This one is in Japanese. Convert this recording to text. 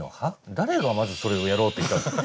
誰がまずそれをやろうっていったんすか？